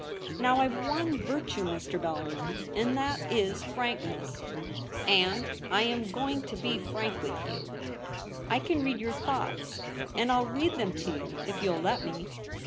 Now I've one virtue, Mr. Bellarmin, and that is frank ness ; and I am going to be frank with you. I can read your thoughts, and I'll read them to you, if you'll let me.'